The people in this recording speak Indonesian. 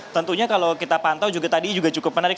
tentunya kalau kita pantau juga tadi juga cukup menarik